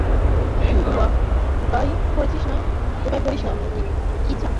ধোকায় পড়িস না, কিছা।